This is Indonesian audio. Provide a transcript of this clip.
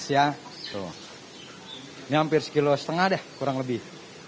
ini hampir satu lima kg deh kurang lebih